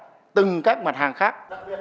đối với tất cả từng các mặt hàng khác